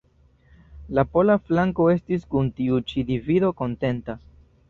La pola flanko estis kun tiu ĉi divido kontenta.